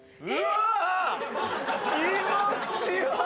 うわ！